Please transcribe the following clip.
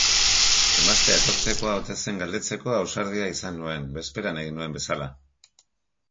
Emaztea etortzekoa ote zen galdetzeko ausardia izan nuen, bezperan egin nuen bezala.